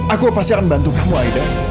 aku pasti akan bantu kamu aida